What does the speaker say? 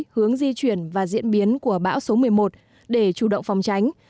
hướng di chuyển và diễn biến của bão số một mươi một để chủ động phòng tránh